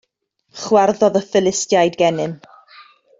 Chwarddodd y Philistiaid gennym.